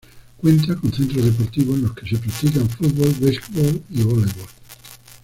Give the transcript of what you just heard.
Cuenta con centros deportivos, en los que se practica: fútbol, basquetbol y voleibol.